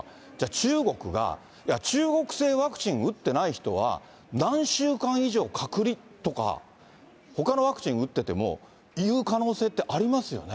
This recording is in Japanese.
中国が、中国製ワクチン打ってない人は、何週間以上隔離とか、ほかのワクチン打ってても、言う可能性ってありますよね。